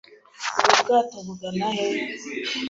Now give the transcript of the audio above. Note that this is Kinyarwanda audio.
Ubu bwato bugana he?